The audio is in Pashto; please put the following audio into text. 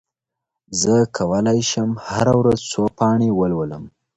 زه کولای شم هره ورځ څو پاڼې ولولم.